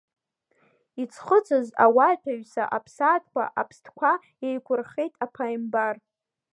Иӡхыҵыз ауаҩытәыҩса, аԥсаатәқәа, аԥстәқәа еиқәирхеит аԥааимбар.